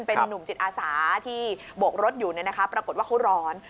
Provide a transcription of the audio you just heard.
เป็นนุ่มจิตอาสาที่โบกรถอยู่ปรากฏว่าเขาร้อน